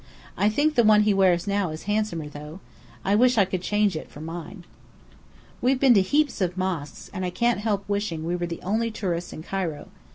I think the one he wears now is handsomer though. I wish I could change it for mine. We have been to heaps of mosques, and I can't help wishing we were the only tourists in Cairo.